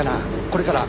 これから。